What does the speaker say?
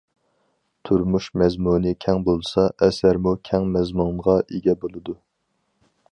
تۇرمۇش مەزمۇنى كەڭ بولسا، ئەسەرمۇ كەڭ مەزمۇنغا ئىگە بولىدۇ.